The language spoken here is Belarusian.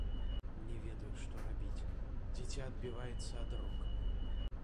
Не ведаю, што рабіць, дзіця адбіваецца ад рук!